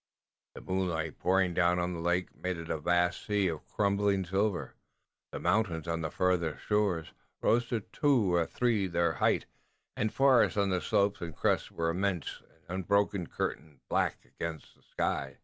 The moonlight, pouring down on the lake, made it a vast sea of crumbling silver, the mountains on the farther shores rose to twice or thrice their height, and the forests on the slopes and crests were an immense and unbroken curtain, black against the sky.